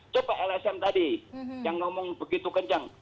coba lsm tadi yang ngomong begitu kencang